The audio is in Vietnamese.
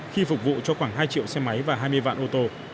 khi phục vụ cho khoảng hai triệu xe máy và hai mươi vạn ô tô